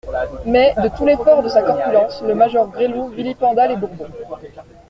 Mais, de tout l'effort de sa corpulence, le major Gresloup vilipenda les Bourbons.